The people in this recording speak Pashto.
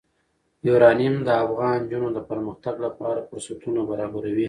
یورانیم د افغان نجونو د پرمختګ لپاره فرصتونه برابروي.